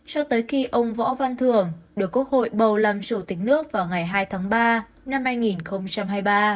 cho tới khi ông võ văn thường được quốc hội bầu làm chủ tịch nước vào ngày hai tháng ba năm hai nghìn hai mươi ba